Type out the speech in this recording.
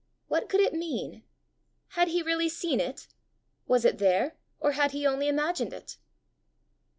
What could it mean? Had he really seen it? Was it there, or had he only imagined it?